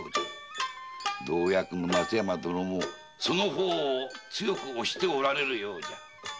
同役の松山殿もその方を強く推しておられるようじゃ。